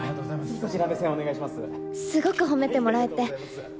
すごく褒めてもらえて。